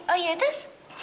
oh iya terus